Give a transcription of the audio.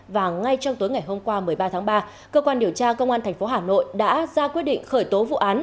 và ngay trong tối ngày hôm qua một mươi ba tháng ba cơ quan điều tra công an tp hà nội đã ra quyết định khởi tố vụ án